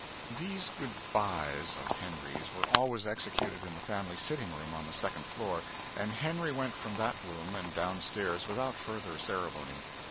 These good bys of Henry's were always executed in the family sitting room on the second floor, and Henry went from that room and down stairs without further ceremony.